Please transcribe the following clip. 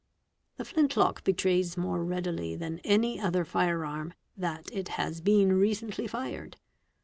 ; re The flint lock betrays more readily than any other fire arm that "a has been recently fired.